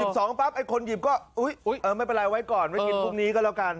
๑๒บาทปั๊บคนหยิบก็ไม่เป็นไรไว้ก่อนไว้กินพรุ่งนี้ก็แล้วกัน